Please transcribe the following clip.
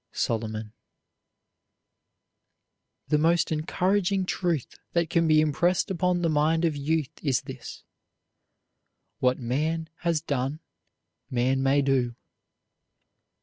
SOLOMON. The most encouraging truth that can be impressed upon the mind of youth is this: "What man has done man may do."